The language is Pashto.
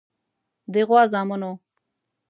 د غوا زامنو.